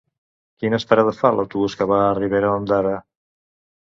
Quines parades fa l'autobús que va a Ribera d'Ondara?